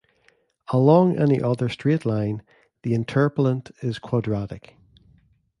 Along any other straight line, the interpolant is quadratic.